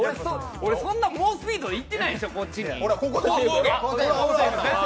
俺、そんな猛スピードで行ってないでしょ。